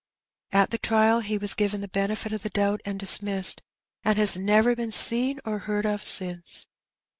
At the trial he was given the benefit of the doubt and dismissed, and has never been seen or heard of since.